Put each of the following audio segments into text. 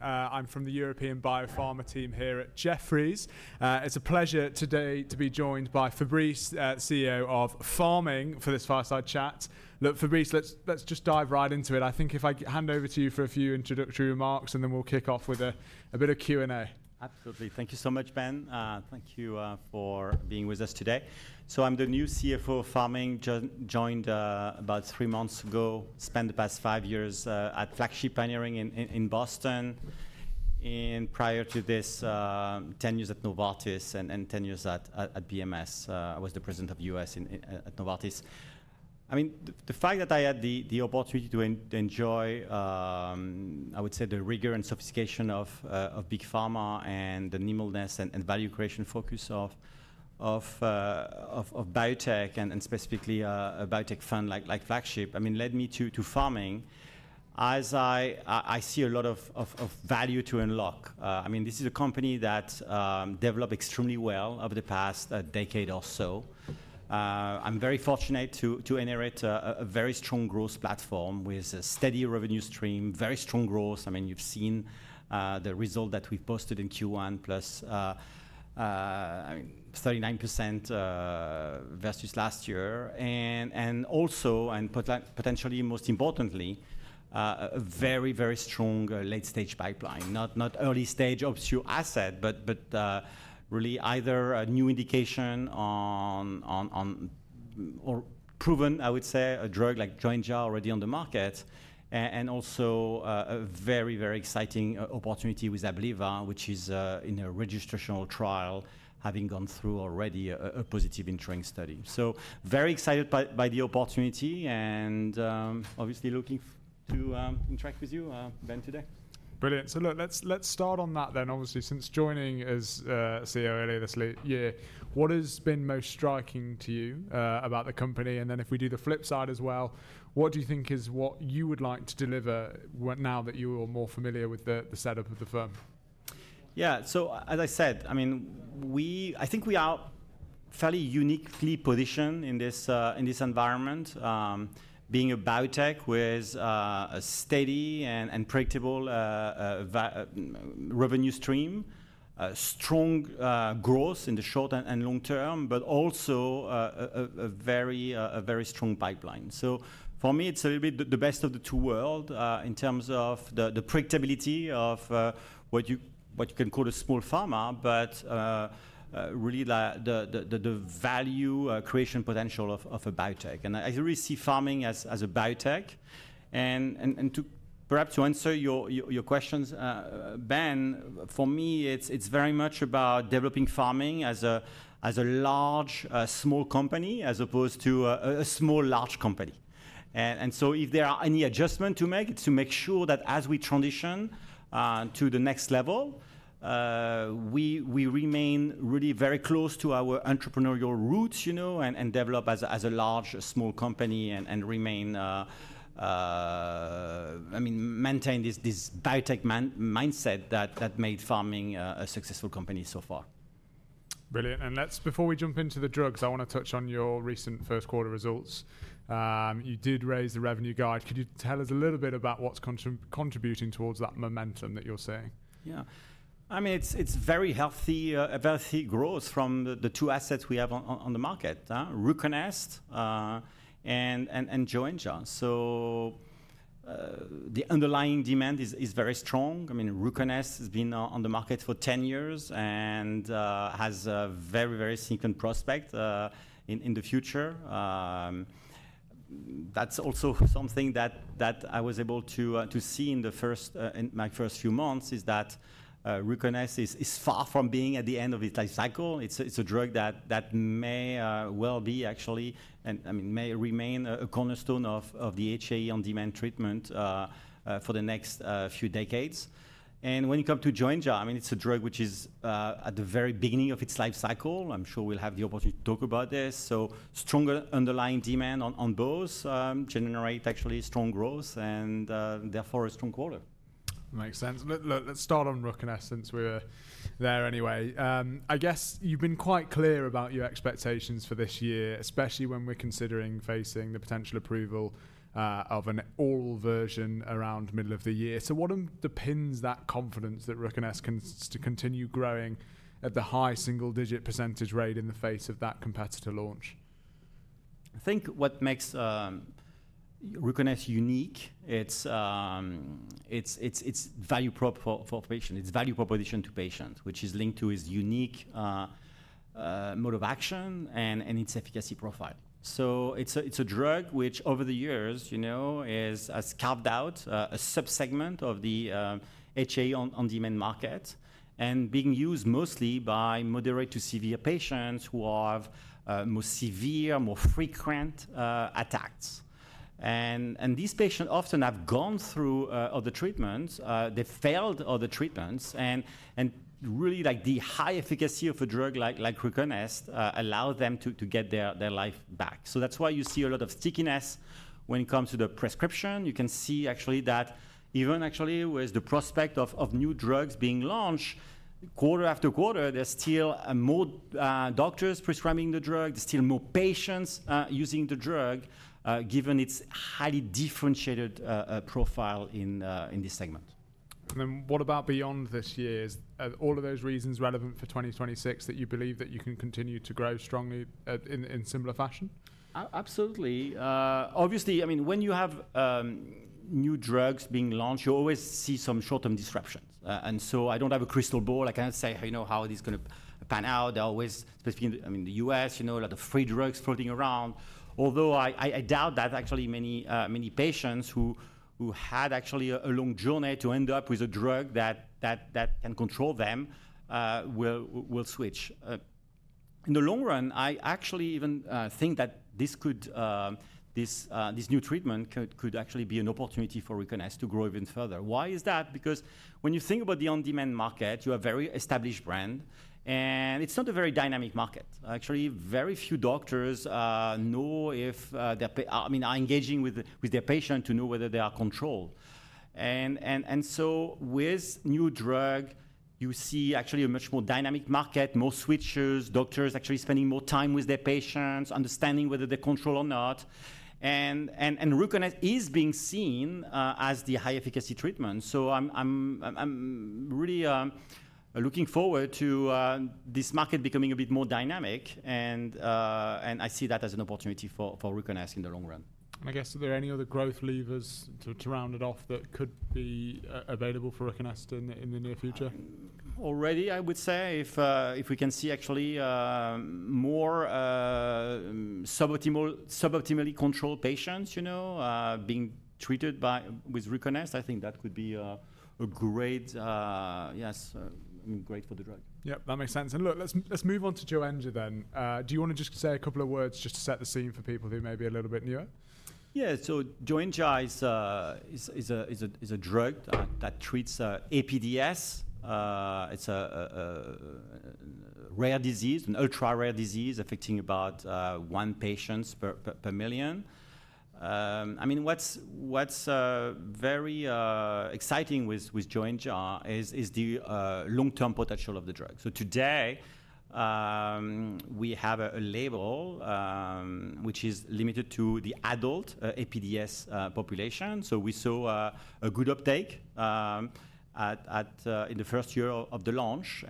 I'm from the European Biopharma team here at Jefferies. It's a pleasure today to be joined by Fabrice, CEO of Pharming Group, for this fireside chat. Fabrice, let's just dive right into it. I think if I hand over to you for a few introductory remarks, then we'll kick off with a bit of Q&A. Absolutely. Thank you so much, Ben. Thank you for being with us today. I'm the new CEO of Pharming, joined about three months ago, spent the past five years at Flagship Pioneering in Boston. Prior to this, 10 years at Novartis and 10 years at BMS. I was the President of U.S. at Novartis. I mean, the fact that I had the opportunity to enjoy, I would say, the rigor and sophistication of big pharma and the nimbleness and value creation focus of biotech, and specifically a biotech fund like Flagship, I mean, led me to Pharming, as I see a lot of value to unlock. I mean, this is a company that developed extremely well over the past decade or so. I'm very fortunate to inherit a very strong growth platform with a steady revenue stream, very strong growth. I mean, you've seen the result that we posted in Q1, +39% versus last year. Also, and potentially most importantly, a very, very strong late-stage pipeline, not early-stage obscure asset, but really either a new indication or proven, I would say, a drug like Joenja already on the market. Also a very, very exciting opportunity with Abliva, which is in a registrational trial, having gone through already a positive interim study. Very excited by the opportunity and obviously looking to interact with you, Ben, today. Brilliant. Look, let's start on that then. Obviously, since joining as CEO earlier this year, what has been most striking to you about the company? If we do the flip side as well, what do you think is what you would like to deliver now that you are more familiar with the setup of the firm? Yeah. As I said, I mean, I think we are fairly uniquely positioned in this environment, being a biotech with a steady and predictable revenue stream, strong growth in the short and long term, but also a very strong pipeline. For me, it's a little bit the best of the two worlds in terms of the predictability of what you can call a small pharma, but really the value creation potential of a biotech. I really see Pharming as a biotech. Perhaps to answer your questions, Ben, for me, it's very much about developing Pharming as a large small company as opposed to a small large company. If there are any adjustments to make, it's to make sure that as we transition to the next level, we remain really very close to our entrepreneurial roots and develop as a large small company and remain, I mean, maintain this biotech mindset that made Pharming a successful company so far. Brilliant. Before we jump into the drugs, I want to touch on your recent first quarter results. You did raise the revenue guide. Could you tell us a little bit about what's contributing towards that momentum that you're seeing? Yeah. I mean, it's very healthy growth from the two assets we have on the market, Ruconest and Joenja. The underlying demand is very strong. I mean, Ruconest has been on the market for 10 years and has a very, very sinking prospect in the future. That's also something that I was able to see in my first few months is that Ruconest is far from being at the end of its life cycle. It's a drug that may well be actually, and I mean, may remain a cornerstone of the HAE on demand treatment for the next few decades. When you come to Joenja, I mean, it's a drug which is at the very beginning of its life cycle. I'm sure we'll have the opportunity to talk about this. Stronger underlying demand on both generates actually strong growth and therefore a strong quarter. Makes sense. Let's start on Ruconest since we're there anyway. I guess you've been quite clear about your expectations for this year, especially when we're considering facing the potential approval of an oral version around middle of the year. So what impins that confidence that Ruconest can continue growing at the high single-digit % rate in the face of that competitor launch? I think what makes Ruconest unique, it's value proposition to patients, which is linked to its unique mode of action and its efficacy profile. It's a drug which over the years has carved out a subsegment of the HAE on demand market and being used mostly by moderate to severe patients who have more severe, more frequent attacks. These patients often have gone through other treatments. They failed other treatments. Really, the high efficacy of a drug like Ruconest allows them to get their life back. That's why you see a lot of stickiness when it comes to the prescription. You can see actually that even with the prospect of new drugs being launched, quarter after quarter, there's still more doctors prescribing the drug. There's still more patients using the drug, given its highly differentiated profile in this segment. What about beyond this year? Are all of those reasons relevant for 2026 that you believe that you can continue to grow strongly in similar fashion? Absolutely. Obviously, I mean, when you have new drugs being launched, you always see some short-term disruptions. I don't have a crystal ball. I can't say how it is going to pan out. There are always, especially in the U.S., a lot of free drugs floating around. Although I doubt that actually many patients who had actually a long journey to end up with a drug that can control them will switch. In the long run, I actually even think that this new treatment could actually be an opportunity for Ruconest to grow even further. Why is that? Because when you think about the on-demand market, you have a very established brand. It's not a very dynamic market. Actually, very few doctors know if they're, I mean, are engaging with their patient to know whether they are controlled. With new drug, you see actually a much more dynamic market, more switchers, doctors actually spending more time with their patients, understanding whether they're controlled or not. Ruconest is being seen as the high-efficacy treatment. I'm really looking forward to this market becoming a bit more dynamic. I see that as an opportunity for Ruconest in the long run. I guess, are there any other growth levers to round it off that could be available for Ruconest in the near future? Already, I would say, if we can see actually more suboptimally controlled patients being treated with Ruconest, I think that could be a great, yes, great for the drug. Yep, that makes sense. Look, let's move on to Joenja then. Do you want to just say a couple of words just to set the scene for people who may be a little bit newer? Yeah. Joenja is a drug that treats APDS. It's a rare disease, an ultra-rare disease affecting about one patient per million. I mean, what's very exciting with Joenja is the long-term potential of the drug. Today, we have a label which is limited to the adult APDS population. We saw a good uptake in the first year of the launch.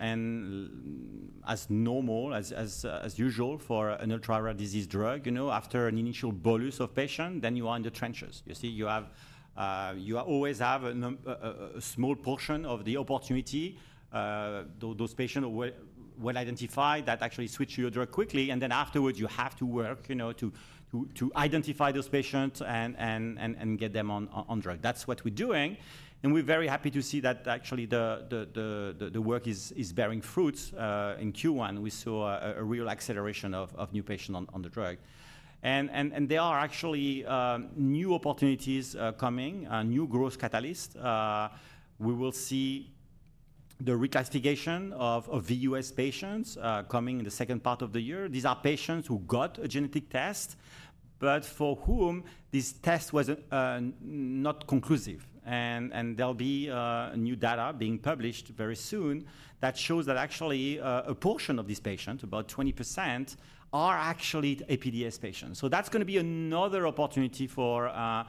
As usual for an ultra-rare disease drug, after an initial bolus of patients, you are in the trenches. You see, you always have a small portion of the opportunity. Those patients are well identified that actually switch to your drug quickly. Afterwards, you have to work to identify those patients and get them on drug. That's what we're doing. We're very happy to see that actually the work is bearing fruits. In Q1, we saw a real acceleration of new patients on the drug. There are actually new opportunities coming, new growth catalysts. We will see the reclassification of VUS patients coming in the second part of the year. These are patients who got a genetic test, but for whom this test was not conclusive. There will be new data being published very soon that shows that actually a portion of these patients, about 20%, are actually APDS patients. That is going to be another opportunity to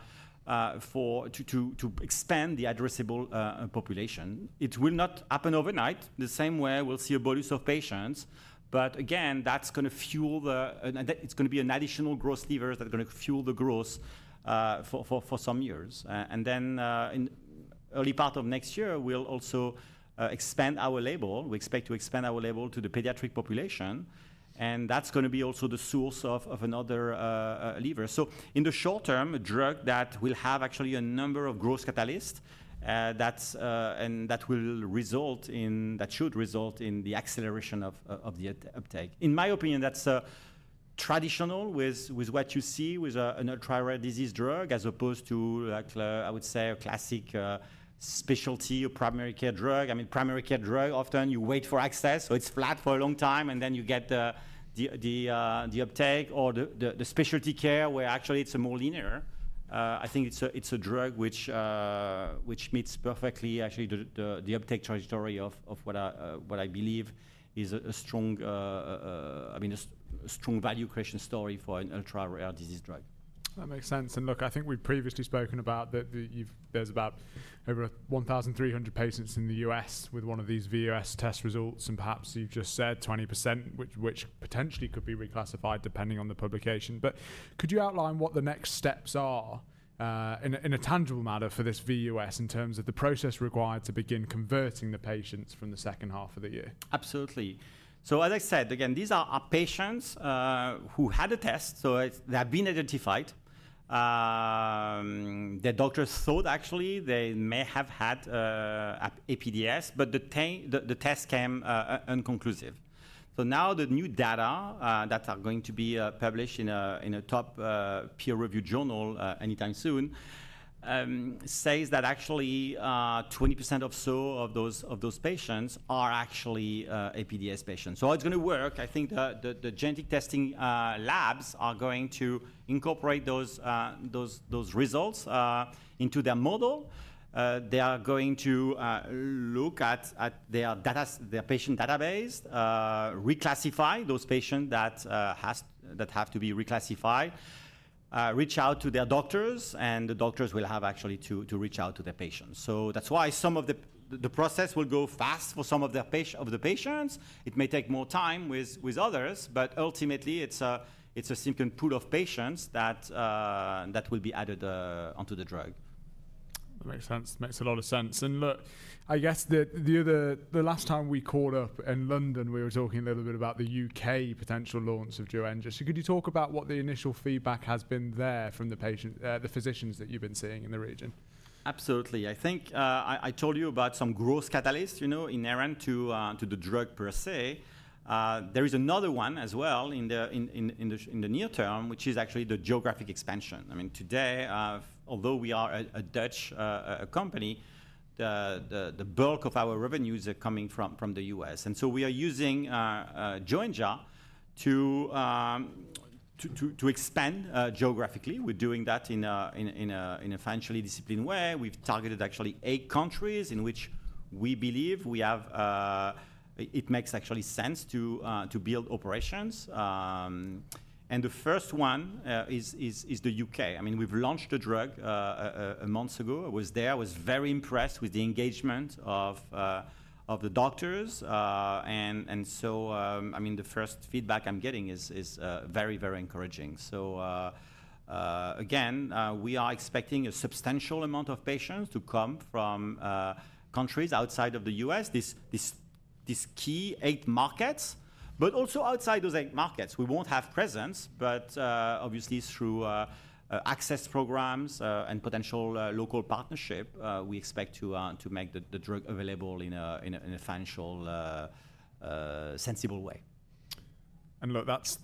expand the addressable population. It will not happen overnight. The same way, we will see a bolus of patients. Again, that is going to fuel the, it is going to be an additional growth lever that is going to fuel the growth for some years. In the early part of next year, we will also expand our label. We expect to expand our label to the pediatric population. That is going to be also the source of another lever. In the short term, a drug that will have actually a number of growth catalysts and that should result in the acceleration of the uptake. In my opinion, that is traditional with what you see with an ultra-rare disease drug as opposed to, I would say, a classic specialty or primary care drug. I mean, primary care drug, often you wait for access, so it is flat for a long time, and then you get the uptake or the specialty care where actually it is more linear. I think it is a drug which meets perfectly actually the uptake trajectory of what I believe is a strong, I mean, a strong value creation story for an ultra-rare disease drug. That makes sense. Look, I think we've previously spoken about that there's about over 1,300 patients in the U.S. with one of these VUS test results. Perhaps you've just said 20%, which potentially could be reclassified depending on the publication. Could you outline what the next steps are in a tangible manner for this VUS in terms of the process required to begin converting the patients from the second half of the year? Absolutely. As I said, again, these are patients who had a test. They have been identified. The doctors thought actually they may have had APDS, but the test came unconclusive. Now the new data that are going to be published in a top peer-reviewed journal anytime soon says that actually 20% or so of those patients are actually APDS patients. It is going to work. I think the genetic testing labs are going to incorporate those results into their model. They are going to look at their patient database, reclassify those patients that have to be reclassified, reach out to their doctors, and the doctors will have actually to reach out to their patients. That is why some of the process will go fast for some of the patients. It may take more time with others, but ultimately, it's a sinking pool of patients that will be added onto the drug. That makes sense. Makes a lot of sense. I guess the last time we caught up in London, we were talking a little bit about the U.K. potential launch of Joenja. Could you talk about what the initial feedback has been there from the patients, the physicians that you've been seeing in the region? Absolutely. I think I told you about some growth catalysts inherent to the drug per se. There is another one as well in the near term, which is actually the geographic expansion. I mean, today, although we are a Dutch company, the bulk of our revenues are coming from the U.S. I mean, we are using Joenja to expand geographically. We're doing that in a financially disciplined way. We've targeted actually eight countries in which we believe it makes actually sense to build operations. The first one is the U.K. I mean, we've launched a drug a month ago. I was there. I was very impressed with the engagement of the doctors. I mean, the first feedback I'm getting is very, very encouraging. Again, we are expecting a substantial amount of patients to come from countries outside of the U.S., these key eight markets, but also outside those eight markets. We won't have presence, but obviously through access programs and potential local partnership, we expect to make the drug available in a financially sensible way. Look, that's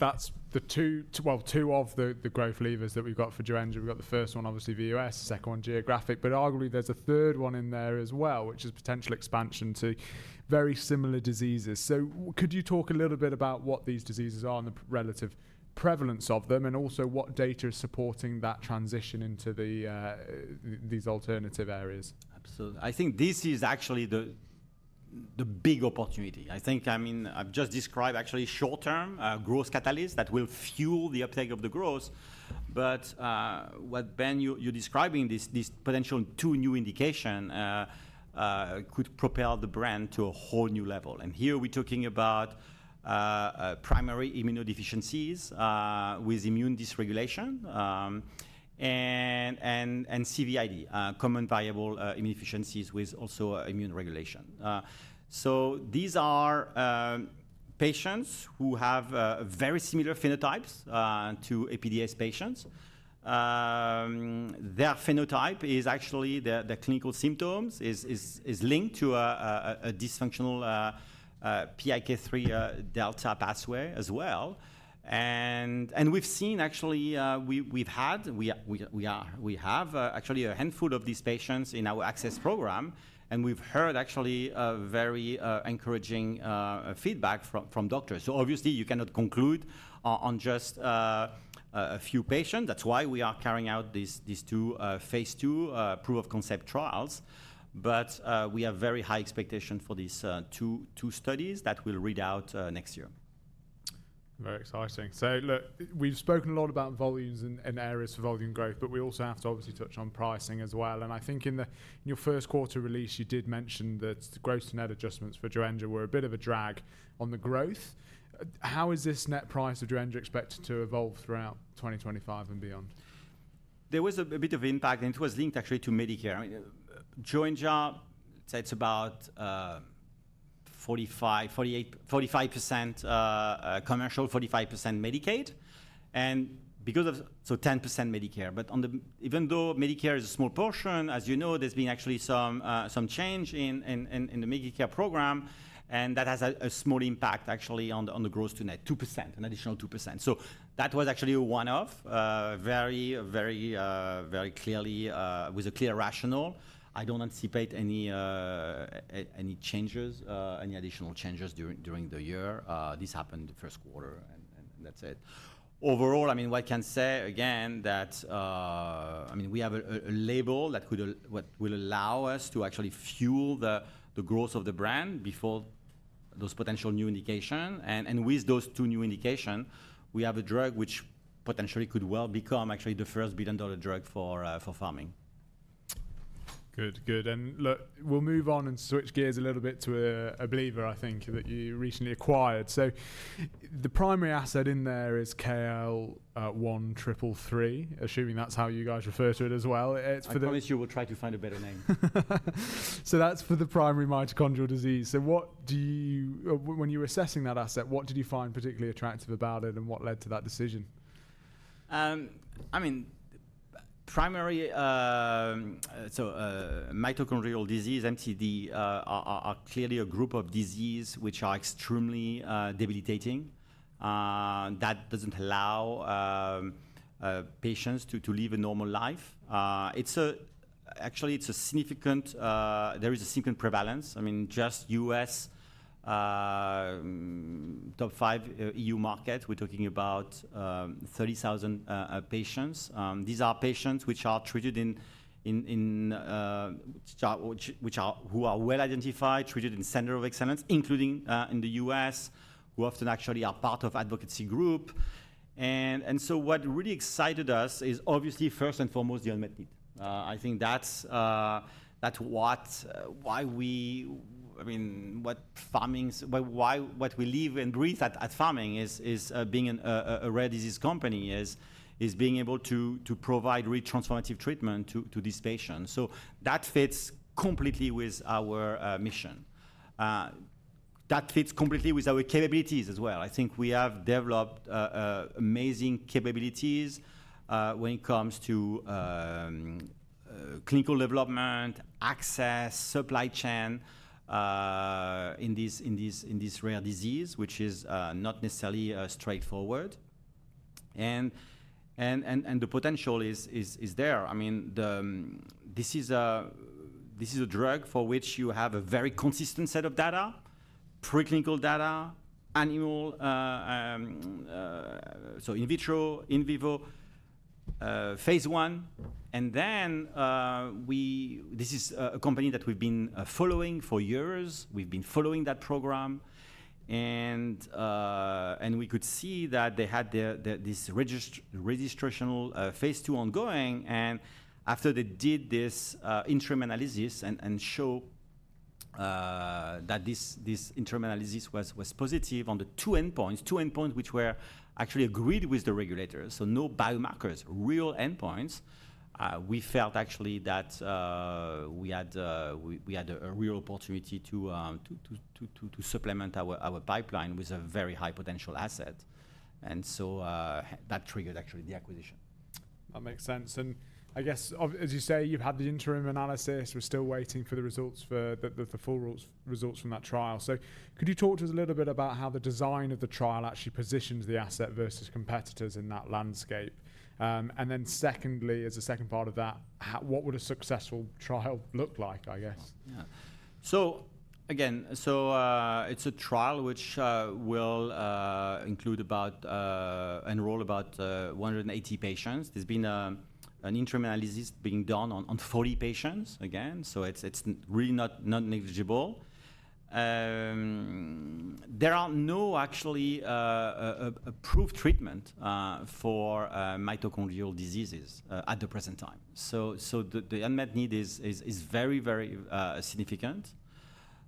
the two of the growth levers that we've got for Joenja. We've got the first one, obviously, VUS, the second one, geographic. Arguably, there's a third one in there as well, which is potential expansion to very similar diseases. Could you talk a little bit about what these diseases are and the relative prevalence of them and also what data is supporting that transition into these alternative areas? Absolutely. I think this is actually the big opportunity. I think, I mean, I've just described actually short-term growth catalysts that will fuel the uptake of the growth. What Ben, you're describing, this potential two new indications could propel the brand to a whole new level. Here we're talking about primary immunodeficiencies with immune dysregulation and CVID, common variable immunodeficiencies with also immune regulation. These are patients who have very similar phenotypes to APDS patients. Their phenotype is actually the clinical symptoms is linked to a dysfunctional PI3K-delta pathway as well. We've seen actually, we've had, we have actually a handful of these patients in our access program. We've heard actually very encouraging feedback from doctors. Obviously, you cannot conclude on just a few patients. That's why we are carrying out these two phase two proof of concept trials. We have very high expectations for these two studies that will read out next year. Very exciting. Look, we've spoken a lot about volumes and areas for volume growth, but we also have to obviously touch on pricing as well. I think in your first quarter release, you did mention that the gross net adjustments for Joenja were a bit of a drag on the growth. How is this net price of Joenja expected to evolve throughout 2025 and beyond? There was a bit of impact, and it was linked actually to Medicare. Joenja, it's about 45% commercial, 45% Medicaid, and 10% Medicare. Even though Medicare is a small portion, as you know, there's been actually some change in the Medicare program. That has a small impact actually on the gross to net, 2%, an additional 2%. That was actually a one-off, very, very clearly with a clear rationale. I don't anticipate any changes, any additional changes during the year. This happened the first quarter, and that's it. Overall, I mean, what I can say again that, I mean, we have a label that will allow us to actually fuel the growth of the brand before those potential new indications. With those two new indications, we have a drug which potentially could well become actually the first billion-dollar drug for Pharming. Good, good. Look, we'll move on and switch gears a little bit to Abliva, I think, that you recently acquired. The primary asset in there is KL1333, assuming that's how you guys refer to it as well. I promise you we will try to find a better name. That's for the primary mitochondrial disease. What do you, when you were assessing that asset, what did you find particularly attractive about it and what led to that decision? I mean, primary, so mitochondrial disease, MCD, are clearly a group of diseases which are extremely debilitating. That doesn't allow patients to live a normal life. Actually, there is a significant prevalence. I mean, just U.S. top five EU market, we're talking about 30,000 patients. These are patients which are treated in, who are well identified, treated in center of excellence, including in the U.S., who often actually are part of advocacy group. What really excited us is obviously first and foremost the unmet need. I think that's why we, I mean, what Pharming, what we live and breathe at Pharming is being a rare disease company is being able to provide really transformative treatment to these patients. That fits completely with our mission. That fits completely with our capabilities as well. I think we have developed amazing capabilities when it comes to clinical development, access, supply chain in this rare disease, which is not necessarily straightforward. The potential is there. I mean, this is a drug for which you have a very consistent set of data, preclinical data, animal, so in vitro, in vivo, phase one. This is a company that we've been following for years. We've been following that program. We could see that they had this registrational phase two ongoing. After they did this interim analysis and showed that this interim analysis was positive on the two endpoints, two endpoints which were actually agreed with the regulators. No biomarkers, real endpoints. We felt actually that we had a real opportunity to supplement our pipeline with a very high potential asset. That triggered actually the acquisition. That makes sense. I guess, as you say, you've had the interim analysis. We're still waiting for the results, the full results from that trial. Could you talk to us a little bit about how the design of the trial actually positions the asset versus competitors in that landscape? Secondly, as a second part of that, what would a successful trial look like, I guess? Yeah. So again, it's a trial which will enroll about 180 patients. There's been an interim analysis being done on 40 patients again. It's really not negligible. There are no actually approved treatments for mitochondrial diseases at the present time. The unmet need is very, very significant.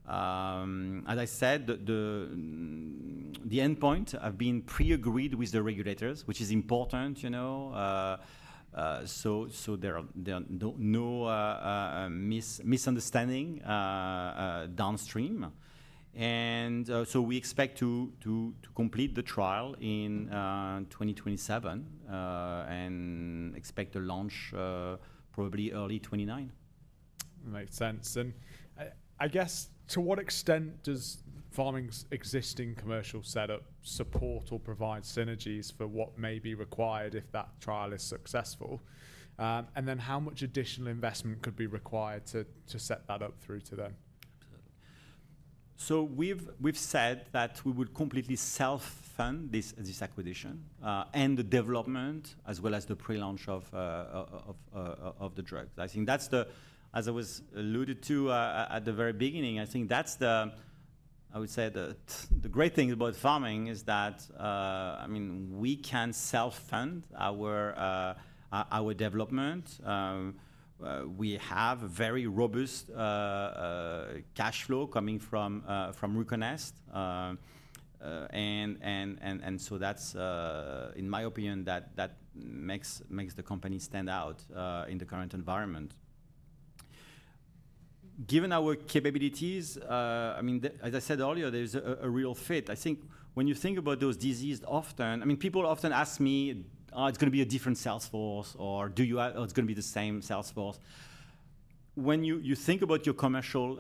As I said, the endpoint have been pre-agreed with the regulators, which is important. There are no misunderstanding downstream. We expect to complete the trial in 2027 and expect to launch probably early 2029. Makes sense. I guess to what extent does Pharming's existing commercial setup support or provide synergies for what may be required if that trial is successful? How much additional investment could be required to set that up through to then? We've said that we would completely self-fund this acquisition and the development as well as the pre-launch of the drug. I think that's the, as I alluded to at the very beginning, I think that's the, I would say the great thing about Pharming is that, I mean, we can self-fund our development. We have a very robust cash flow coming from Ruconest. In my opinion, that makes the company stand out in the current environment. Given our capabilities, as I said earlier, there's a real fit. When you think about those diseases often, people often ask me, oh, is it going to be a different Salesforce or is it going to be the same Salesforce. When you think about your commercial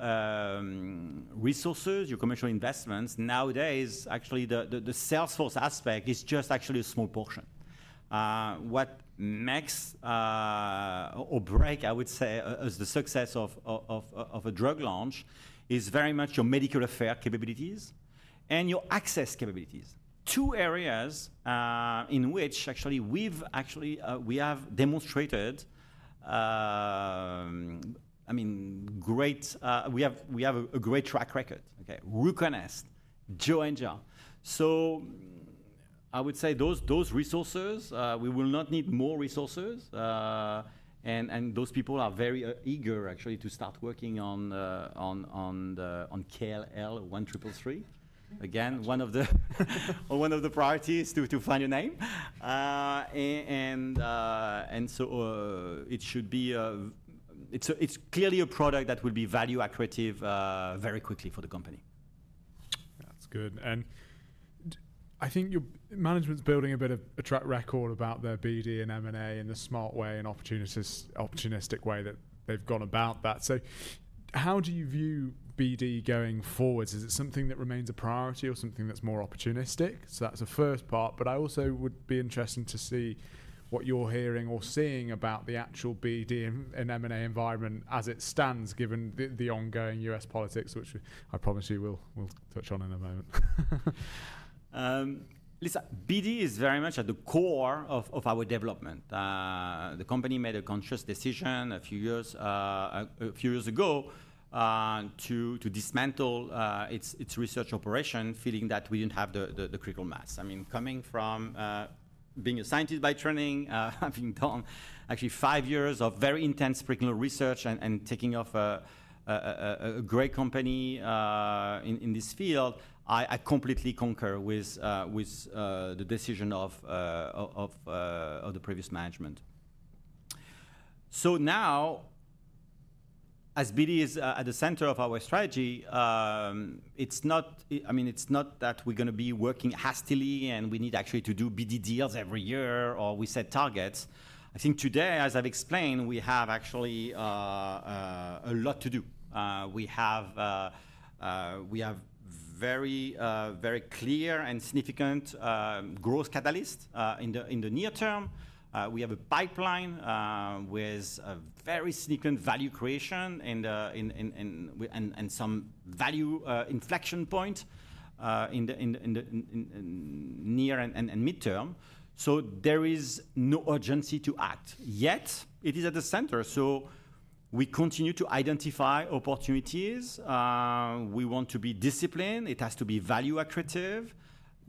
resources, your commercial investments, nowadays, actually the Salesforce aspect is just actually a small portion. What makes or breaks, I would say, the success of a drug launch is very much your medical affair capabilities and your access capabilities. Two areas in which actually we've actually, we have demonstrated, I mean, great, we have a great track record. Okay, Ruconest, Joenja. I would say those resources, we will not need more resources. Those people are very eager actually to start working on KL1333. Again, one of the priorities is to find a name. It should be, it's clearly a product that will be value-accretive very quickly for the company. That's good. I think your management's building a bit of a track record about their BD and M&A in a smart way and opportunistic way that they've gone about that. How do you view BD going forward? Is it something that remains a priority or something that's more opportunistic? That's the first part. I also would be interested to see what you're hearing or seeing about the actual BD and M&A environment as it stands given the ongoing U.S. politics, which I promise you we'll touch on in a moment. Listen, BD is very much at the core of our development. The company made a conscious decision a few years ago to dismantle its research operation, feeling that we didn't have the critical mass. I mean, coming from being a scientist by training, having done actually five years of very intense preclinical research and taking off a great company in this field, I completely concur with the decision of the previous management. Now, as BD is at the center of our strategy, it's not, I mean, it's not that we're going to be working hastily and we need actually to do BD deals every year or we set targets. I think today, as I've explained, we have actually a lot to do. We have very, very clear and significant growth catalyst in the near term. We have a pipeline with a very significant value creation and some value inflection point in the near and midterm. There is no urgency to act. Yet it is at the center. We continue to identify opportunities. We want to be disciplined. It has to be value-accretive.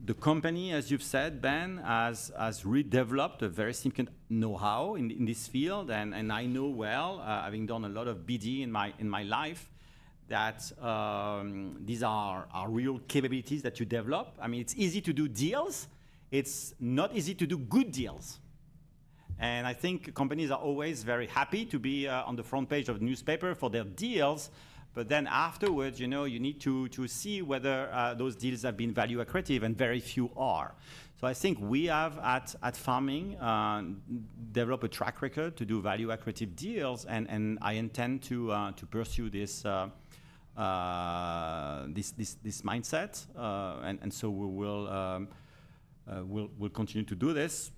The company, as you've said, Ben, has redeveloped a very significant know-how in this field. I know well, having done a lot of BD in my life, that these are real capabilities that you develop. I mean, it's easy to do deals. It's not easy to do good deals. I think companies are always very happy to be on the front page of the newspaper for their deals. Then afterwards, you know, you need to see whether those deals have been value-accretive and very few are. I think we have at Pharming developed a track record to do value-accretive deals. I intend to pursue this mindset. We will continue to do this.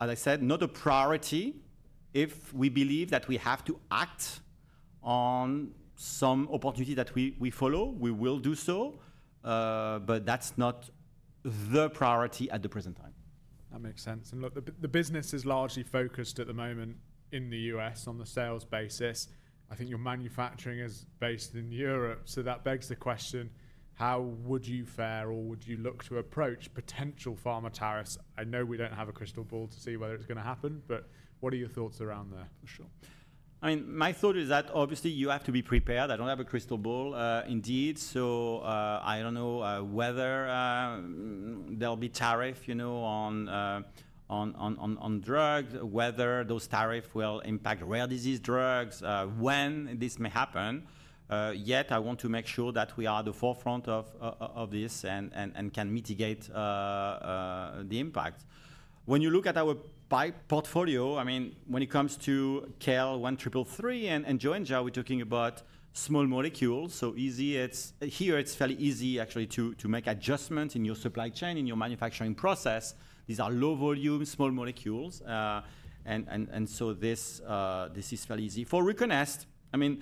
As I said, not a priority. If we believe that we have to act on some opportunity that we follow, we will do so. That is not the priority at the present time. That makes sense. Look, the business is largely focused at the moment in the U.S. on the sales basis. I think your manufacturing is based in Europe. That begs the question, how would you fare or would you look to approach potential pharma tariffs? I know we do not have a crystal ball to see whether it is going to happen, but what are your thoughts around that? Sure. I mean, my thought is that obviously you have to be prepared. I don't have a crystal ball indeed. I don't know whether there'll be tariff, you know, on drugs, whether those tariffs will impact rare disease drugs, when this may happen. Yet I want to make sure that we are at the forefront of this and can mitigate the impact. When you look at our portfolio, I mean, when it comes to KL1333 and Joenja, we're talking about small molecules. Easy, it's here, it's fairly easy actually to make adjustments in your supply chain, in your manufacturing process. These are low-volume, small molecules. This is fairly easy for Ruconest. I mean,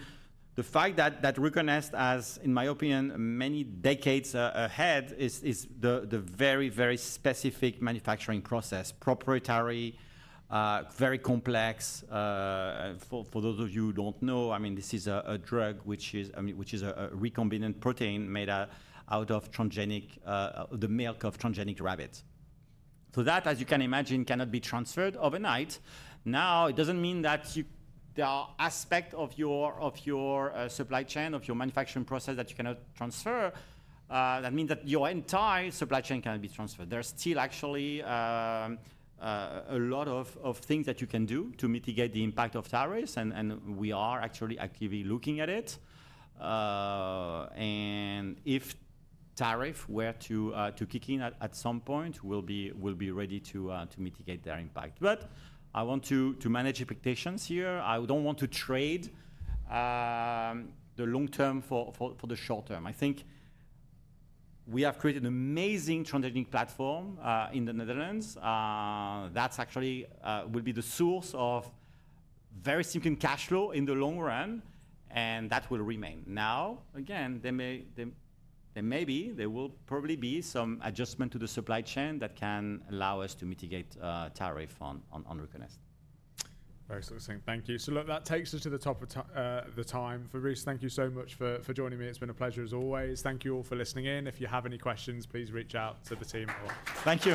the fact that Ruconest, as in my opinion, many decades ahead is the very, very specific manufacturing process, proprietary, very complex. For those of you who don't know, I mean, this is a drug which is a recombinant protein made out of the milk of transgenic rabbits. As you can imagine, that cannot be transferred overnight. Now, it doesn't mean that there are aspects of your supply chain, of your manufacturing process that you cannot transfer. That means that your entire supply chain cannot be transferred. There are still actually a lot of things that you can do to mitigate the impact of tariffs. We are actually actively looking at it. If tariffs were to kick in at some point, we'll be ready to mitigate their impact. I want to manage expectations here. I don't want to trade the long term for the short term. I think we have created an amazing transgenic platform in the Netherlands that actually will be the source of very significant cash flow in the long run. That will remain. Now, again, there may be, there will probably be some adjustment to the supply chain that can allow us to mitigate tariffs on Ruconest. Very exciting. Thank you. That takes us to the top of the time. Fabrice, thank you so much for joining me. It's been a pleasure as always. Thank you all for listening in. If you have any questions, please reach out to the team or. Thank you.